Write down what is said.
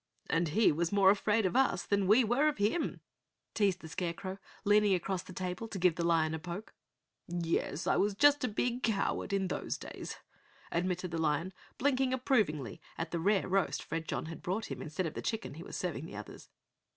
"And he was more afraid of us than we were of him," teased the Scarecrow, leaning across the table to give the lion a poke. "Yes, I was just a big coward in those days," admitted the lion, blinking approvingly at the rare roast Fredjon had brought him instead of the chicken he was serving the others.